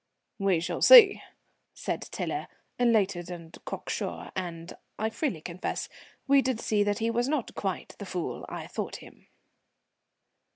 "We shall see," said Tiler, elated and cocksure, and I freely confess we did see that he was not quite the fool I thought him.